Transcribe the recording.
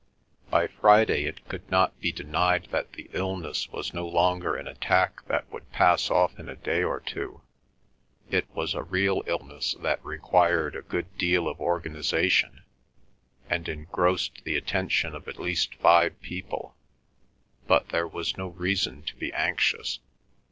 By Friday it could not be denied that the illness was no longer an attack that would pass off in a day or two; it was a real illness that required a good deal of organisation, and engrossed the attention of at least five people, but there was no reason to be anxious.